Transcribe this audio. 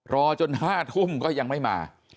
รอจน๕ทุ่มก็ยังไม่มา